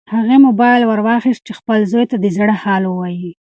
هغې موبایل ورواخیست چې خپل زوی ته د زړه حال ووایي.